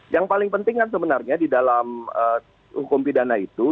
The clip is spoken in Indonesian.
yang paling penting kan sebenarnya di dalam hukum pidana itu